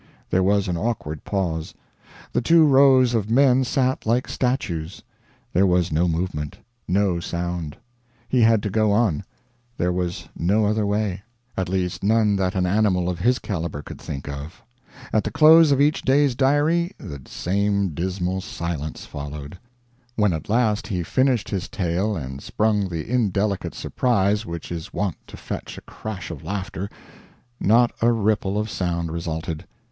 There was an awkward pause. The two rows of men sat like statues. There was no movement, no sound. He had to go on; there was no other way, at least none that an animal of his calibre could think of. At the close of each day's diary, the same dismal silence followed. When at last he finished his tale and sprung the indelicate surprise which is wont to fetch a crash of laughter, not a ripple of sound resulted.